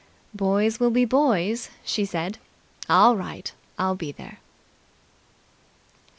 "Boys will be boys," she said. "All right. I'll be there." CHAPTER 22.